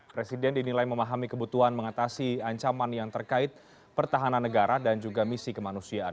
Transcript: presiden dinilai memahami kebutuhan mengatasi ancaman yang terkait pertahanan negara dan juga misi kemanusiaan